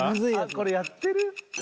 これやってる？